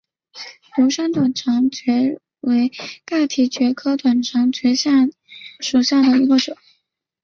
独山短肠蕨为蹄盖蕨科短肠蕨属下的一个种。